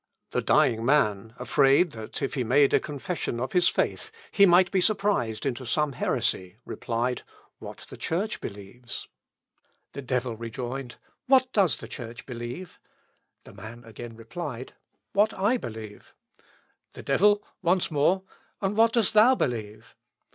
The dying man, afraid that if he made a confession of his faith, he might be surprised into some heresy, replied, 'What the Church believes.' The devil rejoined, 'What does the Church believe?' The man again replied, 'What I believe.' The devil, once more, 'And what dost thou believe?'